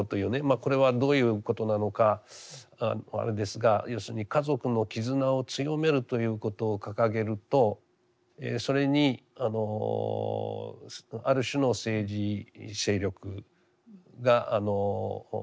これはどういうことなのかあれですが要するに家族の絆を強めるということを掲げるとそれにある種の政治勢力が共鳴する。